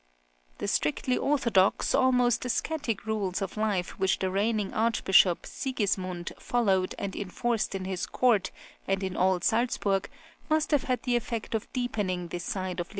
The strictly orthodox, almost ascetic, rules of life which the reigning archbishop, Sigismund, followed and enforced in his court and in all Salzburg must have had the effect of deepening this side of L.